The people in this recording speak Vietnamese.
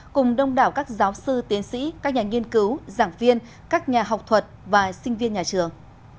cùng đông đảo các giáo sư tiến sĩ các nhà nghiên cứu giảng viên các nhà học thuật và sinh viên nhà trường